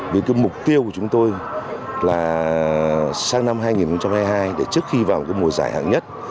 vì mục tiêu của chúng tôi là sang năm hai nghìn hai mươi hai trước khi vào mùa giải hạng nhất